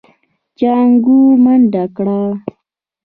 جانکو منډه کړه.